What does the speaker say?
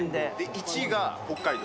１位が北海道。